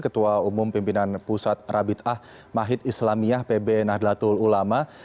ketua umum pimpinan pusat rabit ah mahid islamiyah pb nahdlatul ulama